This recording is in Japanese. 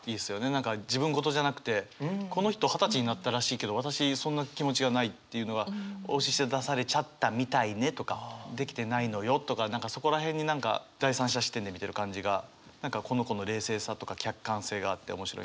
何か自分事じゃなくてこの人二十歳になったらしいけど私そんな気持ちがないっていうのは「押し出されちゃったみたいね」とか「できてないのよ」とか何かそこら辺に何か第三者視点で見てる感じが何かこの子の冷静さとか客観性があって面白いなと思いましたね。